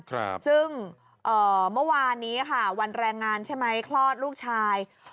ครับซึ่งเอ่อเมื่อวานนี้ค่ะวันแรงงานใช่ไหมคลอดลูกชาย